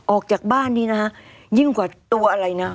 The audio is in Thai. ออกจากบ้านนี้นะฮะยิ่งกว่าตัวอะไรนะ